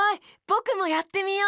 ぼくもやってみよ。